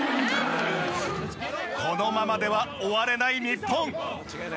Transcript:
このままでは終われない日本。